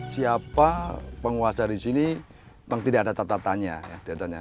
siapa penguasa di sini memang tidak ada tata tanya